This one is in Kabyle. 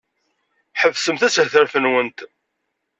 Ḥebsemt ashetref-nwent!